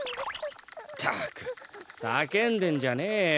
ったくさけんでんじゃねえよ。